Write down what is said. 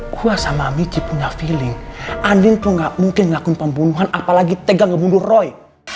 gue sama amici punya feeling andin tuh gak mungkin ngelakuin pembunuhan apalagi tegang ngebunuh roy